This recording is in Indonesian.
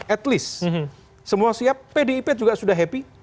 at least semua siap pdip juga sudah happy